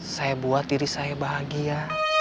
saya buat diri saya bahagia